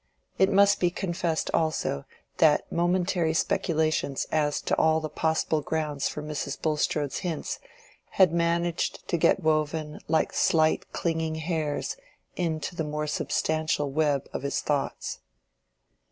It must be confessed, also, that momentary speculations as to all the possible grounds for Mrs. Bulstrode's hints had managed to get woven like slight clinging hairs into the more substantial web of his thoughts.